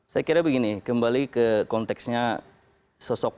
saya kira begini kembali ke konteksnya sosok pak amin